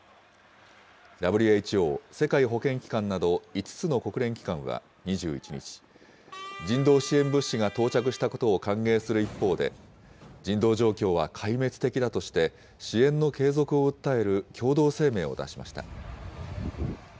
ＷＨＯ・世界保健機関など５つの国連機関は２１日、人道支援物資が到着したことを歓迎する一方で、人道状況は壊滅的だとして、支援の継続を訴える共同声明を出しました。